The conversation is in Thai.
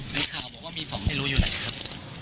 มีข่าวบอกว่ามีสองไม่รู้อยู่ไหนครับ